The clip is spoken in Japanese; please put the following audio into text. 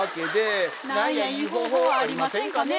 何やいい方法はありませんかね？